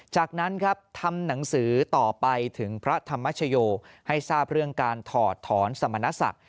จากนั้นครับทำหนังสือต่อไปถึงพระธรรมชโยให้ทราบเรื่องการถอดถอนสมณศักดิ์